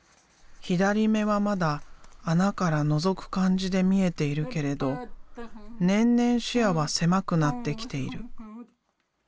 左目はまだ穴からのぞく感じで見えているけれど年々視野は狭くなってきている。